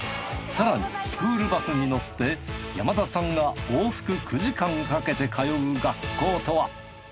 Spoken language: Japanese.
更にスクールバスに乗って山田さんが往復９時間かけて通う学校とは？